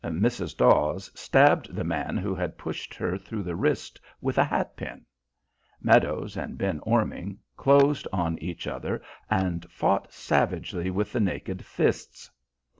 Mrs. Dawes stabbed the man who had pushed her through the wrist with a hatpin. Meadows and Ben Orming closed on each other and fought savagely with the naked fists.